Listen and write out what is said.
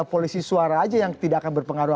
polisi suara aja yang tidak akan berpengaruh